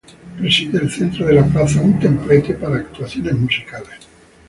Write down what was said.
Preside el centro de la plaza un templete para actuaciones musicales.